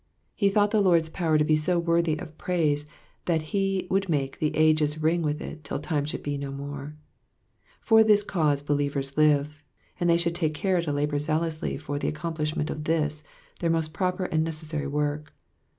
He thought the Lord's power to be so worthy of praise, that he would make the ages ring with it till Digitized by VjOOQIC 300 EXPOSITIONS OF THE PSALMS. lime should be no more. For this cause believers live, and they should take care to labour zealously for the accomplishment, of this their most proper and necessary work.